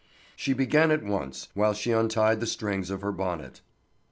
She began at once, while she untied the strings of her bonnet.